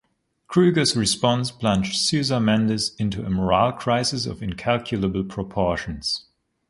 Kruger's response plunged Sousa Mendes into a moral crisis of incalculable proportions.